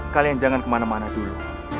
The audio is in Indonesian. kalian jangan kemana mana dulu